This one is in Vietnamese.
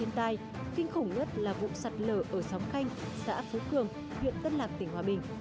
hiện tại kinh khủng nhất là vụ sạt lửa ở sóng khanh xã phú cường huyện tân lạc tỉnh hòa bình